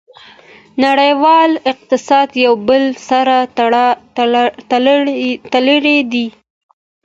نړیوال اقتصاد یو بل سره تړلی دی.